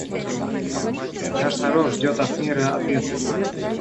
Наш народ ждет от мира ответа.